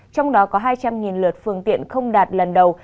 trong đó có hai trăm linh lượt phương tiện không đạt lần đầu